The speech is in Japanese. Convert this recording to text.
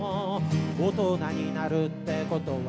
大人になるってことは